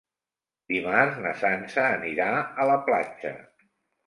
Dimarts na Sança anirà a la platja.